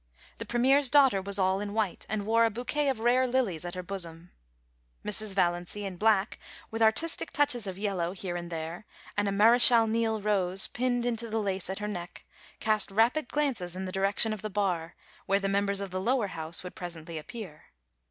The Premier's daughter was all in white, and wore a bouquet of rare lilies at her bosom. Mrs. Valiancy, in black, with artistic touches of yellow here and there, and a Mardchal Niel rose pinned into the lace at her neck, cast rapid glances in the direction of the bar, where the members of the Lower House would presently appear.